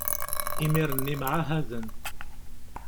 imir-nni mɛahaden.